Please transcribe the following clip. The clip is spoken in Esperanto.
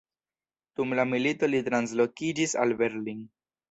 Dum la milito li translokiĝis al Berlin.